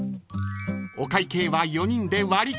［お会計は４人で割り勘］